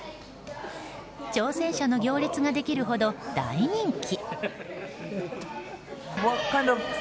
挑戦者の行列ができるほど大人気。